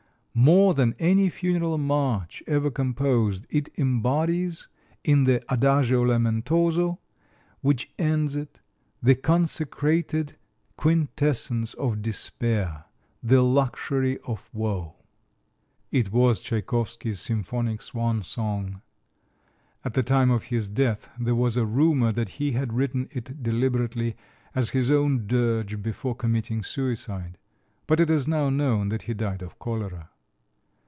More than any funeral march ever composed, it embodies, in the adagio lamentoso, which ends it, the concentrated quintessence of despair, "the luxury of woe." It was Tchaikovsky's symphonic swan song. At the time of his death there was a rumor that he had written it deliberately as his own dirge before committing suicide; but it is now known that he died of cholera.